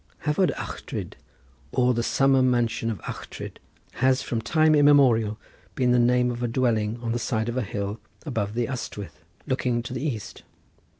Hafod Ychdryd, or the summer mansion of Uchtryd, has from time immemorial been the name of a dwelling on the side of the hill above the Ystwyth, looking to the east.